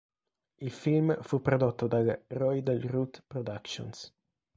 Il film fu prodotto dalla Roy Del Ruth Productions.